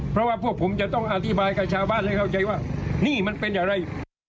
เพราะว่าพวกผมจะต้องอธิบายกับชาวบ้านให้เข้าใจว่านี่มันเป็นอะไร